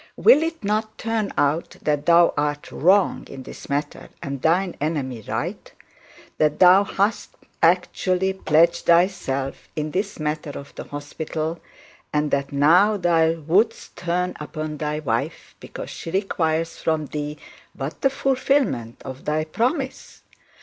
Will it not turn out that thou art wrong in this matter, and thine enemy right; that thou hast actually pledged thyself in this matter of the hospital, and that now thou wouldst turn upon thy wife because she requires from thee but the fulfilment of thy promise?